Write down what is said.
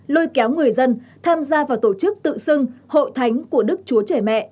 lôi kéo người dân tham gia vào tổ chức tự xưng hội thánh của đức chúa trẻ mẹ